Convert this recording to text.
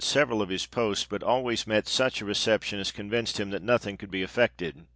55 several of his posts, but always met such a reception, as convinced him that nothing could be effected.